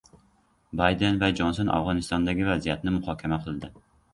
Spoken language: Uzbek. Bayden va Jonson Afg‘onistondagi vaziyatni muhokama qildi